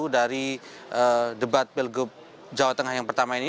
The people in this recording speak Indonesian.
dari debat pilgub jawa tengah yang pertama ini